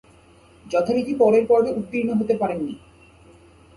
যথারীতি পরের পর্বে উত্তীর্ণ হতে পারেননি।